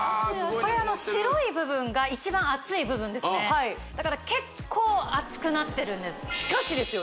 これ白い部分が一番熱い部分ですねだから結構熱くなってるんですしかしですよ